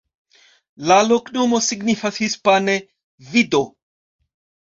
La loknomo signifas hispane: vido.